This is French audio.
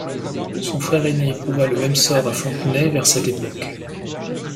Son frère aîné éprouva le même sort à Fontenay vers cette époque.